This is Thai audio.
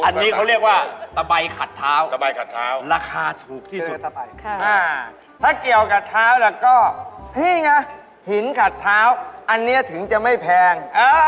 อันนี้เขาเรียกว่าตะใบขัดเท้าตะใบขัดเท้าราคาถูกที่สุดถ้าเกี่ยวกับเท้าแล้วก็นี่ไงหินขัดเท้าอันนี้ถึงจะไม่แพง